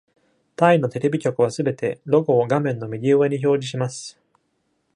タイのテレビ局は全て、ロゴを画面の右上に表示します。